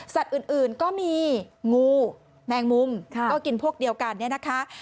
อื่นก็มีงูแมงมุมก็กินพวกเดียวกันเนี่ยนะคะ